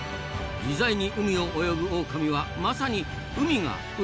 自在に海を泳ぐオオカミはまさに海が生みの親！